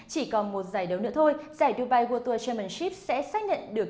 chỉ còn một giải đấu nữa thôi giải dubai world tour championship sẽ xác nhận được